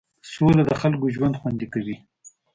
سوله د خلکو ژوند خوندي کوي.